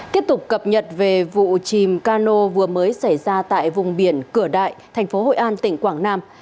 tiếp tục cập nhật về vụ chìm cano vừa mới xảy ra tại vùng biển cửa đại thành phố hội an tỉnh quảng nam